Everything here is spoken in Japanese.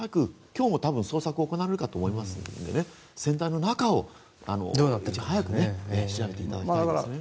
今日も捜索が行われるかと思いますので船体の中をいち早く調べていただきたいですよね。